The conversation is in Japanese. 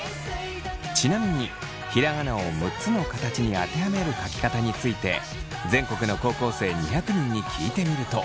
ちなみにひらがなを６つの形に当てはめる書き方について全国の高校生２００人に聞いてみると。